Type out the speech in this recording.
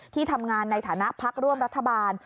ที่ทำงานในฐานะพักร่วมรัฐบาล